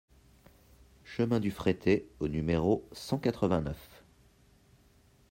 Chemin du Frettey au numéro cent quatre-vingt-neuf